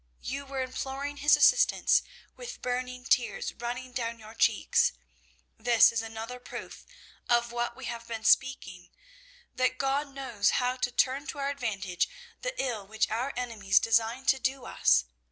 You were imploring His assistance with burning tears running down your cheeks. This is another proof of what we have been speaking, that God knows how to turn to our advantage the ill which our enemies design to do us.